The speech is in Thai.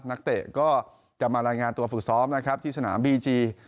เตะก็จะมารายงานตัวฝึกซ้อมนะครับที่สนามบีจี